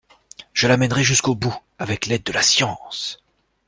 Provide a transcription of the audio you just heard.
Je la mènerai jusqu'au bout avec l'aide de la science.